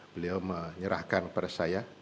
beliau menyerahkan kepada saya